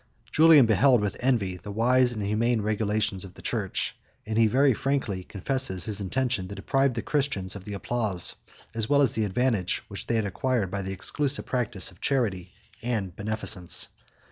Julian beheld with envy the wise and humane regulations of the church; and he very frankly confesses his intention to deprive the Christians of the applause, as well as advantage, which they had acquired by the exclusive practice of charity and beneficence.